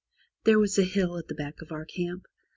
There was a hill at the back of our camp.